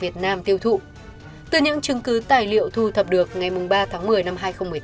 từ những chứng cứ tài liệu thu thập được ngày ba tháng một mươi năm hai nghìn một mươi tám